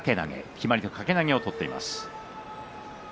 決まり手は掛け投げを取っています。